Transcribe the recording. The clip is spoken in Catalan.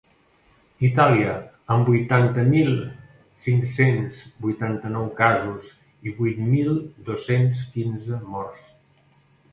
Itàlia, amb vuitanta mil cinc-cents vuitanta-nou casos i vuit mil dos-cents quinze morts.